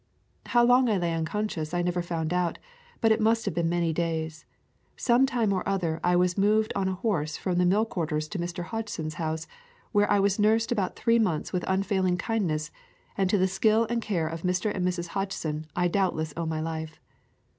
How long I lay unconscious I never found out, but it must have been many days. Some time or other I was moved on a horse from the mill quarters to Mr. Hodgson's house, where I was nursed about three months with unfailing kindness, and to the skill and care of Mr. and Mrs. Hodgson I doubtless owe my life.